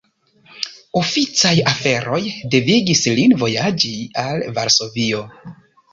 Oficaj aferoj devigis lin vojaĝi al Varsovio.